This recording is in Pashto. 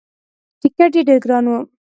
ټکت یې ډېر ګران وو.